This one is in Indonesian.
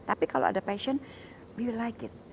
tapi kalau ada passion we will like it